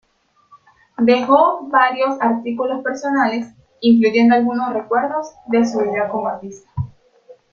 Dejó varios artículos personales, incluyendo algunos recuerdos de su vida como artista.